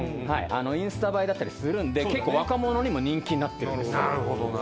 インスタ映えだったりするんで結構若者にも人気になってるんですよ。